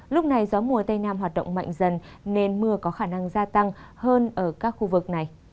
lúc này gió mùa tây nam hoạt động mạnh dần nên mưa có khả năng gia tăng hơn ở các khu vực này